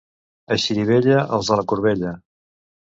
A Xirivella, els de la corbella.